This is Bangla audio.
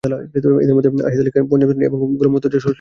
এঁদের মধ্যে আসেদ আলী পঞ্চম শ্রেণি পাস এবং গোলাম মোতুর্জা স্বশিক্ষিত।